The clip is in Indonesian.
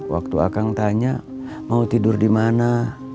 waktu akang tanya mau tidur di mana